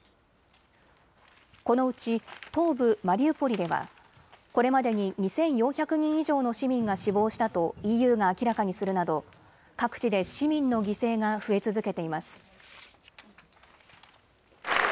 このうち東部マリウポリではこれまでに２４００人以上の市民が死亡したとＥＵが明らかにするなど各地で市民の犠牲が増え続けています。